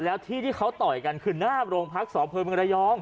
แล้วที่ที่เขาต่อยกันคือหน้าโรงพักษอเภอเมืองระยอง